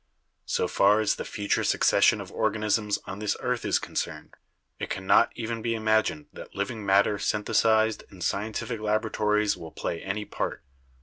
So far as the future succession of organisms on this earth is concerned, it can not even be imagined that living matter synthesized in scientific laboratories will play any part.